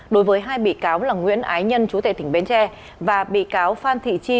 đối với hai bị cáo là nguyễn ái nhân chú tệ tỉnh bến tre và bị cáo phan thị chi